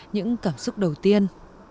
những cảm xúc đầu tiên